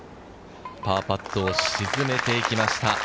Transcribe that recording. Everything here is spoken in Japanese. パーパットを沈めていきました。